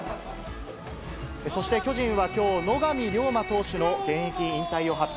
そして、巨人はきょう、野上亮磨投手の現役引退を発表。